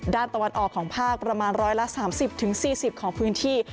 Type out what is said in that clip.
ด้านตะวันออกของภาคประมาณร้อยละ๓๐๔๐ของพื้นที่